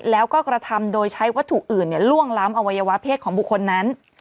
แล้วก็กระทำโดยใช้วัตถุอื่นล่วงล้ำอวัยวะเพศของบุคคลนั้น